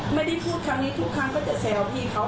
ไม่ได้พูดครั้งนี้ทุกครั้งก็จะแซวพี่เขา